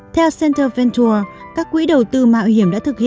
theo center ventur các quỹ đầu tư mạo hiểm đã thực hiện